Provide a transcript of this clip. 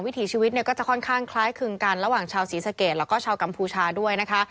ถีชีวิตเนี่ยก็จะค่อนข้างคล้ายคลึงกันระหว่างชาวศรีสะเกดแล้วก็ชาวกัมพูชาด้วยนะคะ